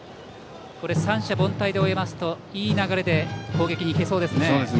三者凡退で終えますといい流れで攻撃にいけそうですね。